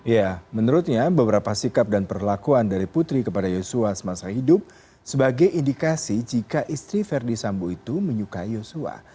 ya menurutnya beberapa sikap dan perlakuan dari putri kepada yosua semasa hidup sebagai indikasi jika istri verdi sambo itu menyukai yosua